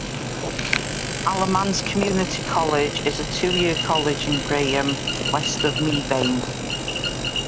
Alamance Community College is a two-year college in Graham, west of Mebane.